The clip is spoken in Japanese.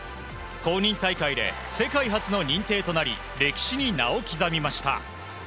公認大会で世界初の認定となり歴史に名を刻みました。